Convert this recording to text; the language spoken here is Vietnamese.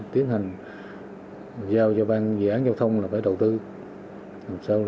tiến hành giao cho bang dự án giao thông là phải đầu tư